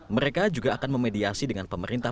mereka juga akan memediasi dengan pemerintah